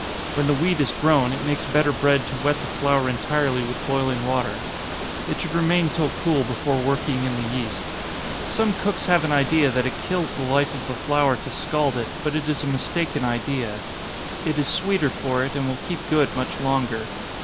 When the wheat is grown, it makes better bread to wet the flour entirely with boiling water. It should remain till cool before working in the yeast. Some cooks have an idea that it kills the life of the flour to scald it, but it is a mistaken idea it is sweeter for it, and will keep good much longer.